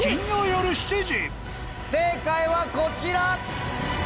正解はこちら！